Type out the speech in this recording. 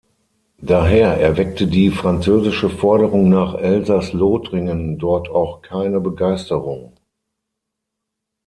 Daher erweckte die französische Forderung nach Elsaß-Lothringen dort auch keine Begeisterung.